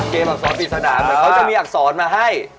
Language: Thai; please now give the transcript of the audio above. เกมอักษรพิษนานเขาจะมีอักษรมาให้